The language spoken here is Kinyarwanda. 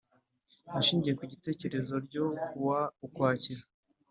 Ashingiye ku itegeko ryo ku wa ukwakira